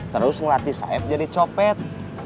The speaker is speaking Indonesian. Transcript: terus ngelatih saif jadi copet